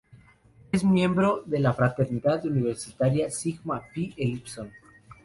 Es miembro de la fraternidad universitaria Sigma Phi Epsilon.